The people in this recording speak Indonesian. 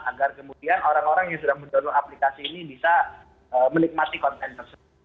agar kemudian orang orang yang sudah mendownloa aplikasi ini bisa menikmati konten tersebut